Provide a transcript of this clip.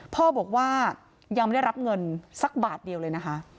พ่อบอกว่ายังไม่ได้รับเงินสักบาทเดียวเลยนะคะ